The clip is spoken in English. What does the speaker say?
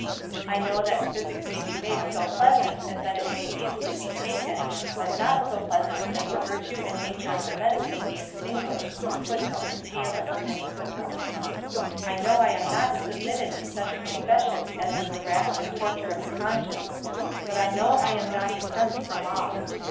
I know that "physic may be made so pleasant as that it may easily be taken; but not so pleasant as the virtue and nature of the medicine be extinguished." I know I am not submitted to such a confession as is a rack and torture of the conscience; but I know I am not exempt from all.